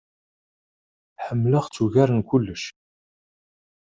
Ḥemleɣ-tt ugar n kullec.